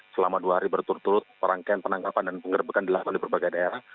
selama dua hari berturut turut rangkaian penangkapan dan penggerbekan dilakukan di berbagai daerah